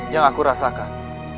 yang aku rasakan